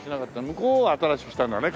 向こうは新しくしたんだね。